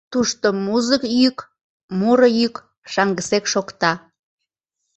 Тушто музык йӱк, муро йӱк шаҥгысек шокта.